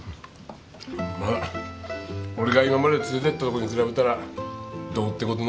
まあ俺が今まで連れてったとこに比べたらどうってことないけどな。